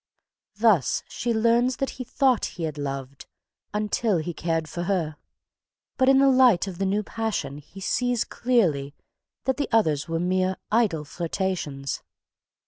Thus she learns that he thought he had loved, until he cared for her, but in the light of the new passion he sees clearly that the others were mere, idle flirtations.